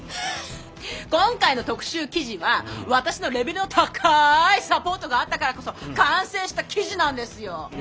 今回の特集記事は私のレベルの高いサポートがあったからこそ完成した記事なんですよ。ね？